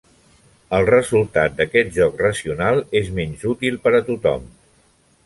El resultat d'aquest joc racional és menys útil per a tothom.